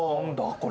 これ。